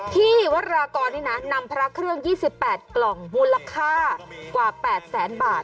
ที่วันรากรนี่นะนำพระเครื่องยี่สิบแปดกล่องมูลค่ากว่าแปดแสนบาท